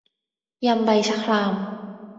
ยำใบชะคราม